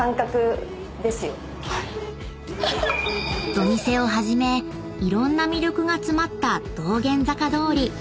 ［ドミセをはじめいろんな魅力が詰まった道玄坂通］